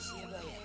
jangan lari lo